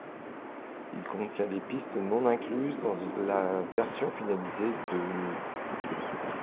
Il contient des pistes non incluses dans la version finalisée de '.